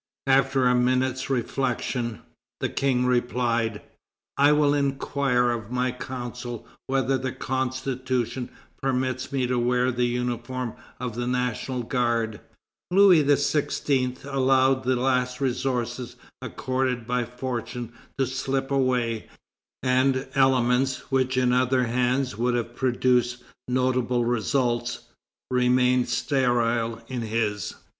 After a minute's reflection, the King replied: 'I will inquire of my Council whether the Constitution permits me to wear the uniform of the National Guard.'" Louis XVI. allowed the last resources accorded by fortune to slip away, and elements which in other hands would have produced notable results, remained sterile in his.